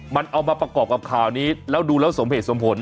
มันเอามาประกอบกับข่าวนี้แล้วดูแล้วสมเหตุสมผล